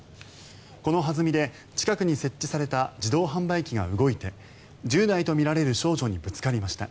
この弾みで、近くに設置された自動販売機が動いて１０代とみられる少女にぶつかりました。